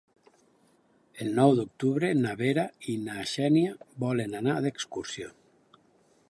El nou d'octubre na Vera i na Xènia volen anar d'excursió.